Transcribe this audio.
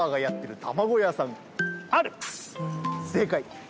正解！